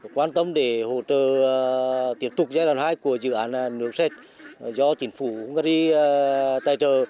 quan tâm để hỗ trợ tiếp tục giai đoạn hai của dự án nước sạch do chính phủ hungary tài trợ